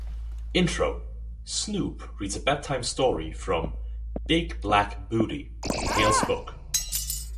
Intro: Snoop reads a bedtime story from "Big black Booty" tales-book.